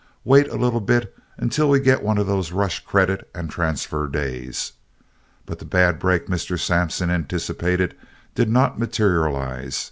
Wait a little bit until we get one of those rush credit and transfer days." But the bad break Mr. Sampson anticipated did not materialize.